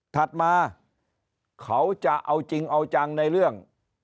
ถัดมาเขาจะเอาจริงเอาจังในเรื่อง